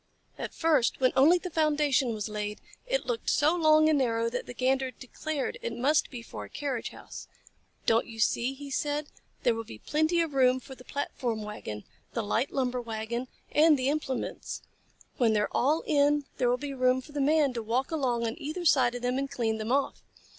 At first, when only the foundation was laid, it looked so long and narrow that the Gander declared it must be for a carriage house. "Don't you see?" he said. "There will be plenty of room for the platform wagon, the light lumber wagon, and the implements. When they are all in, there will be room for the Man to walk along on either side of them and clean them off.